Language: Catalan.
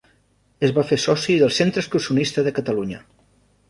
Es va fer soci del Centre Excursionista de Catalunya.